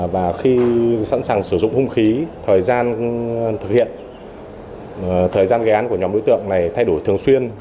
và khi sẵn sàng sử dụng hung khí thời gian thực hiện thời gian gây án của nhóm đối tượng này thay đổi thường xuyên